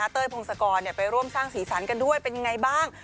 เต้ยพงศกรไปร่วมสร้างสีสันกันด้วยเป็นยังไงบ้าง